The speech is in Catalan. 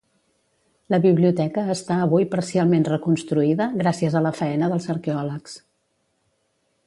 La biblioteca està avui parcialment reconstruïda gràcies a la faena dels arqueòlegs.